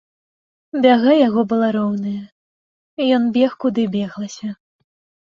Бяга яго была роўная, ён бег куды беглася.